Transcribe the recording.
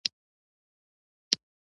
سړک باید پاک وساتل شي.